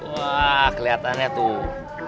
wah kelihatannya tuh